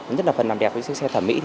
nhất là phần làm đẹp với chiếc xe thẩm mỹ